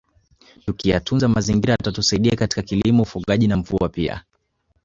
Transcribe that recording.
Tukiyatunza mazingira yatatusaidia katika kilimo ufugaji na mvua pia